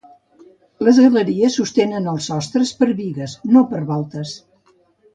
Les galeries sostenen els sostres per bigues, no per voltes.